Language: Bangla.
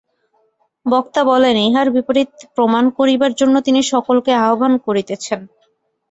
বক্তা বলেন, ইহার বিপরীত প্রমাণ করিবার জন্য তিনি সকলকে আহ্বান করিতেছেন।